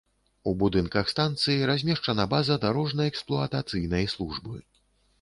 У будынках станцыі размешчана база дарожна-эксплуатацыйнай службы.